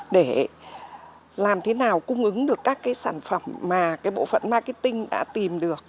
để làm thế nào cung ứng được các sản phẩm mà bộ phận marketing đã tìm được